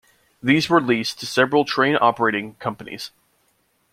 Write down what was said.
These were leased to several train operating companies.